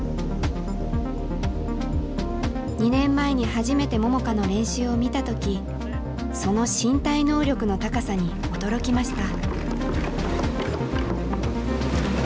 ２年前に初めて桃佳の練習を見た時その身体能力の高さに驚きました。